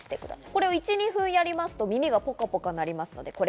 これを１２分やりますと、耳がポカポカなります。